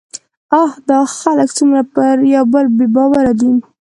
اه! دا خلک څومره پر يوبل بې باوره دي